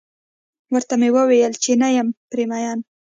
ورته و مې ويل چې نه یم پرې مين.